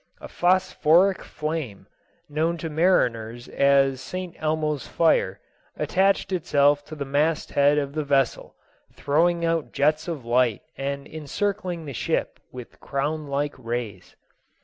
A phosphoric flame, known to mariners as St. Elmo's fire, attached itself to the mast head of the vessel, throwing out jets of light and encircling the ship with crown like rays.